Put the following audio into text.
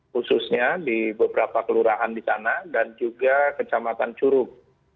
khususnya di beberapa kelurahan di sana dan juga kecamatan curug